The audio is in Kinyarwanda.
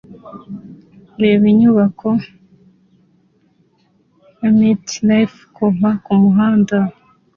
Reba inyubako ya MetLife kuva kumuhanda